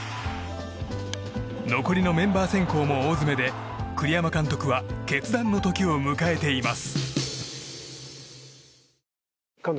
残りのメンバー選考も大詰めで栗山監督は決断の時を迎えています。